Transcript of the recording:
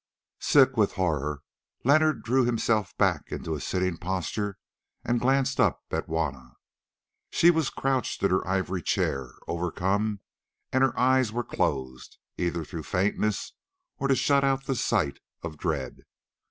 Sick with horror Leonard drew himself back into a sitting posture, and glanced up at Juanna. She was crouched in her ivory chair overcome, and her eyes were closed, either through faintness or to shut out the sight of dread.